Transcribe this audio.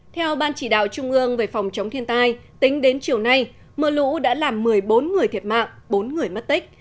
theo ban chỉ đạo trung ương về phòng chống thiên tai tính đến chiều nay mưa lũ đã làm một mươi bốn người thiệt mạng bốn người mất tích